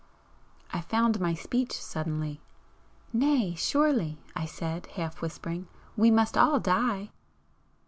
I found my speech suddenly. "Nay, surely," I said, half whispering "We must all die!"